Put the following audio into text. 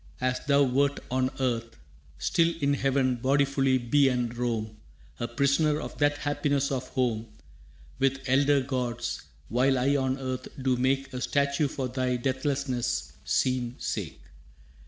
As thou wert on earth, still In heaven bodifully be and roam, A prisoner of that happiness of home, With elder gods, while I on earth do make A statue for thy deathlessness' seen sake.